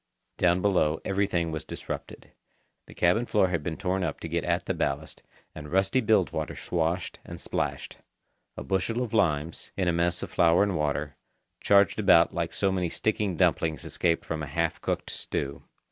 Down below everything was disrupted. The cabin floor had been torn up to get at the ballast, and rusty bilge water swashed and splashed. A bushel of limes, in a mess of flour and water, charged about like so many sticky dumplings escaped from a half cooked stew.